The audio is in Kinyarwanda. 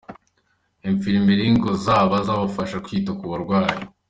Infirmeries ngo zabafasha kwita ku barwayi.